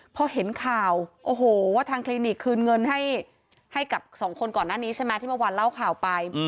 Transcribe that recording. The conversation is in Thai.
พอเห็นข่าวโอ้โหว่าทางคลินิกคืนเงินให้กับสองคนก่อนหน้านี้ใช่ไหมที่เมื่อวานเล่าข่าวไป